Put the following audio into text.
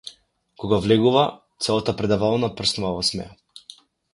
Кога влегува, целата предавална прснува во смеа.